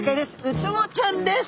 ウツボちゃんです。